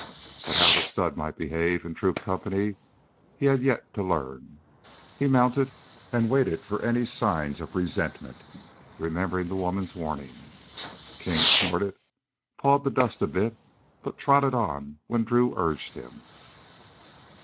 But how the stud might behave in troop company he had yet to learn. He mounted and waited for any signs of resentment, remembering the woman's warning. King snorted, pawed the dust a bit, but trotted on when Drew urged him.